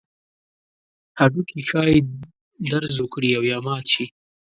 هډوکي ښایي درز وکړي او یا مات شي.